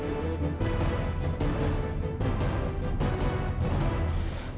gak usah ribet ibu